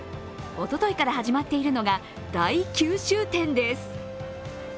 おとといから始まっているのが大九州展です。